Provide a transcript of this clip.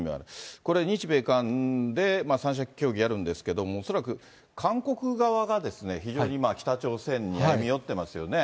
これ、日米韓で３者協議やるんですけれども、恐らく、韓国側が非常に今、北朝鮮に歩み寄ってますよね。